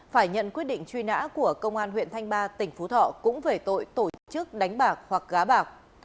phải nhận quyết định truy nã của công an huyện thanh ba tỉnh phú thọ cũng về tội tổ chức đánh bạc hoặc gá bạc